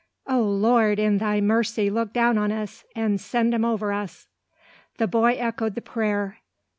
O Lord! in thy mercy look down on us, and send 'em over us!" The boy echoed the prayer.